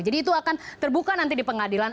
jadi itu akan terbuka nanti di pengadilan